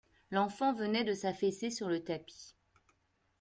L'enfant venait de s'affaisser sur le tapis.